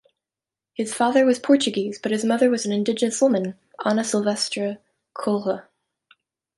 His father was Portuguese, but his mother was an indigenous woman, Ana Silvestre Coelho.